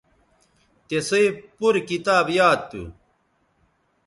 تِسئ پور کتاب یاد تھو